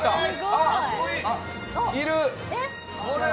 あっ、いる！